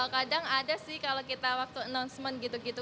kadang ada sih kalau kita waktu announcement gitu gitu